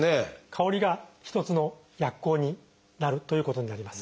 香りが一つの薬効になるということになります。